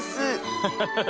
ハハハッ。